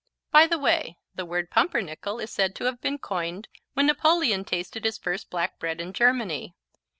By the way, the word pumpernickel is said to have been coined when Napoleon tasted his first black bread in Germany.